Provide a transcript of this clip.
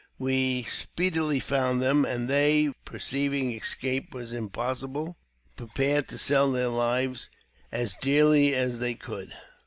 We speedily found them, and they, perceiving escape was impossible, prepared to sell their lives as dearly a^^ they could.